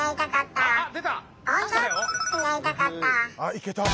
いけた！